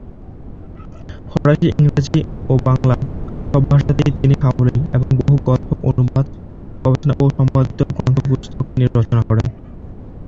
ফরাসী, ইংরেজি ও বাংলা সব ভাষাতেই তিনি সাবলীল এবং বহু গল্প, অনুবাদ, গবেষণা ও সম্পাদিত গ্রন্থ-পুস্তক তিনি রচনা করেন।